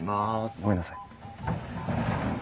ごめんなさい。